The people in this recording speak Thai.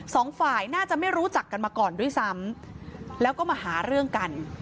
สองฝ่ายน่าจะไม่รู้จักกันมาก่อนด้วยซ้ำแล้วก็มาหาเรื่องกัน